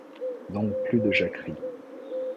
Donc plus de jacquerie.